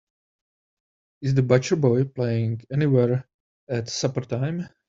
Is The Butcher Boy playing anywhere at supper time?